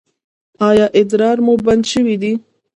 ایا ادرار مو بند شوی دی؟